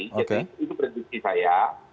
jadi itu prediksi saya